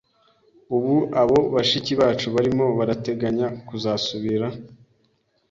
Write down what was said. Ubu abo bashiki bacu barimo barateganya kuzasubira